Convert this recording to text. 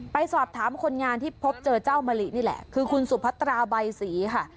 ไปสอบถามคนงานที่พบเจอเจ้ามะลินี่แหละคือคุณสุพัตราใบศรีค่ะ